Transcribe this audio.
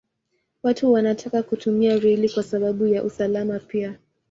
Watu wanataka kutumia reli kwa sababu ya usalama pia.